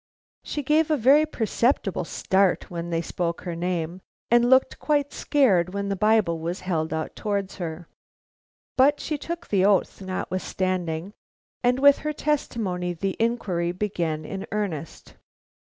She gave a very perceptible start when they spoke her name, and looked quite scared when the Bible was held out towards her. But she took the oath notwithstanding, and with her testimony the inquiry began in earnest.